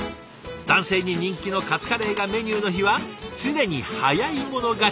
男性に人気のカツカレーがメニューの日は「常に早い者勝ち！」